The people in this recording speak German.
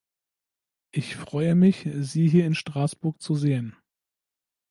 Ich freue mich, sie hier in Straßburg zu sehen.